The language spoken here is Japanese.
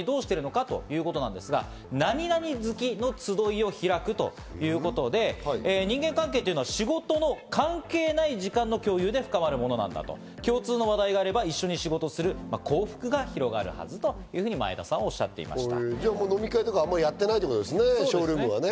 その代わりにどうしているのかということですが、何々月の集いを開くということで人間関係っていうのは、仕事の関係ない時間の共有で深まるものなんだと共通の話題があれば一緒に仕事をする幸福が広がるはずというふうに前田さんはおっしゃっていました。